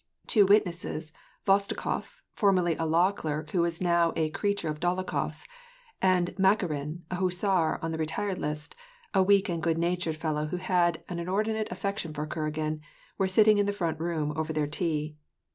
Two witnesses — Khvostikof , formerly a law clerk, who was now a creature of Dolokhof s, and Makarin, a hussar on the retired list, a weak and good natured fellow who had an inor dinate affection for Kuragin — were sitting in the front room over their tea.